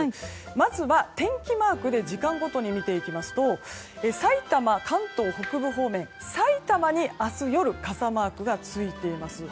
まずは天気マークで時間ごとに見ていきますと関東北部方面さいたまに明日夜傘マークがついています。